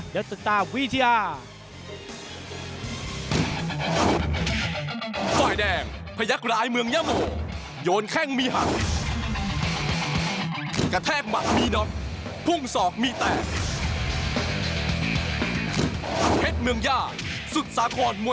เดี๋ยวติดตามวิทยา